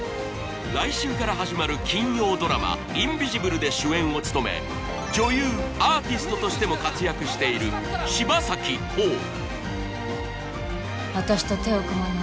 来週から始まる金曜ドラマ「インビジブル」で主演を務め女優アーティストとしても活躍している柴咲コウ